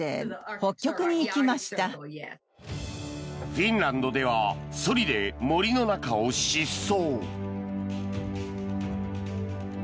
フィンランドではそりで森の中を疾走。